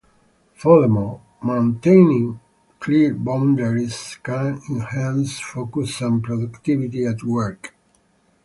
Furthermore, maintaining clear boundaries can enhance focus and productivity at work.